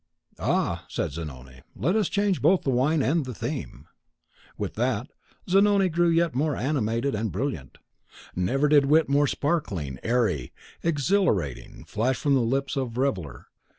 "Ah," said Zanoni, "let us change both the wine and the theme." With that, Zanoni grew yet more animated and brilliant. Never did wit more sparkling, airy, exhilarating, flash from the lips of reveller.